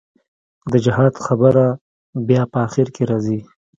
د جهاد خبره بيا په اخر کښې رځي.